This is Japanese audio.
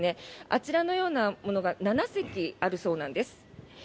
あちらのようなものが７隻あるそうなんです。